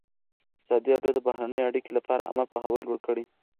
ازادي راډیو د بهرنۍ اړیکې لپاره عامه پوهاوي لوړ کړی.